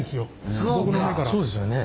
そうですよね。